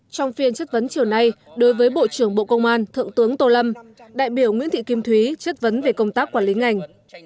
trong phiên chất vấn chiều nay đối với bộ trưởng bộ công an thượng tướng tô lâm đại biểu nguyễn thị kim thúy chất vấn về công tác quản lý ngành